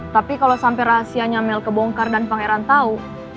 tapi kalau sampai rahasianya mel kebongkar dan pangeran tahu